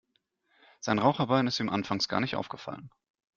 Sein Raucherbein ist ihm anfangs gar nicht aufgefallen.